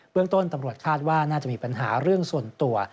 เรื่องต้นตำรวจคาดว่าน่าจะมีปัญหาเรื่องส่วนตัว